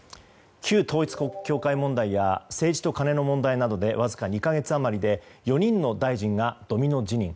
旧統一教会問題や政治とカネの問題などでわずか２か月余りで４人の大臣がドミノ辞任。